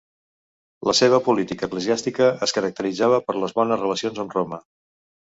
La seva política eclesiàstica es caracteritzava per les bones relacions amb Roma.